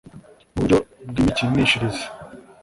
Mu buryo bw’imikinishirize